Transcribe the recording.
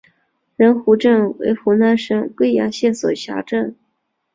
仁义镇为湖南省桂阳县所辖镇。